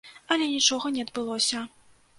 Але нічога не адбылося.